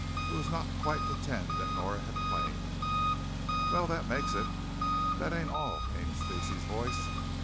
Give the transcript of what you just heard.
It was not quite the ten that Nora had claimed. "Well, that makes it " "That ain't all," came Stacey's voice.